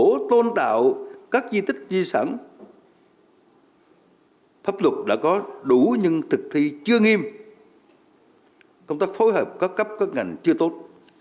tuy nhiên thủ tướng cũng thẳng thắn chỉ ra những hạn chế bất cập trong công tác này như pháp luật đã có đủ nhưng thực thi chưa nghiêm công tác phối hợp của các cấp các ngành chưa tốt